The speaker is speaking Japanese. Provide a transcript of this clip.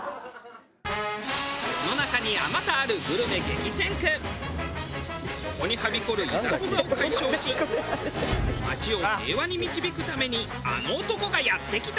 世の中に数多あるそこにはびこるいざこざを解消し町を平和に導くためにあの男がやって来た！